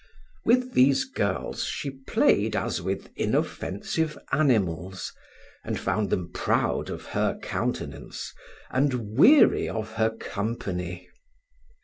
With these girls she played as with inoffensive animals, and found them proud of her countenance and weary of her company.